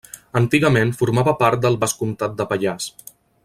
Antigament formava part del Vescomtat de Pallars.